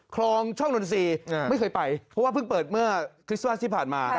ครองช้องดนตร์สี่ไม่เคยไปเพราะเพิ่งเปิดเมื่อคริสตุพลัสที่ผ่านมา